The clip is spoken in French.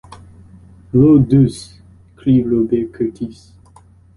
L’eau douce ! crie Robert Kurtis.